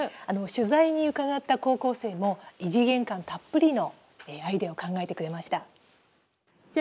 取材に伺った高校生も異次元感たっぷりのアイデアを考えてくれました。